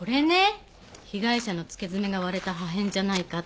被害者のつけづめが割れた破片じゃないかって。